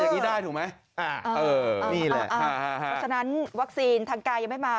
เพราะฉะนั้นวัคซีนทางกายยังไม่มา